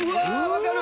分かる！